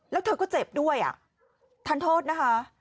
แล้วเธอก็เจ็บด้วยอ่ะทานโทษนะคะ